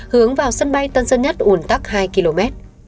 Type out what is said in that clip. hướng vào sân bay tân sơn nhất ủn tắc hai km